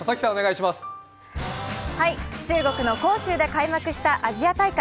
中国の杭州で開幕したアジア大会。